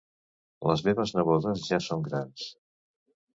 Les meves nebodes ja són grans